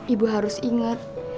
ibu harus ingat